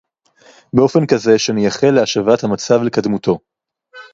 באופן כזה שנייחל להשבת המצב לקדמותו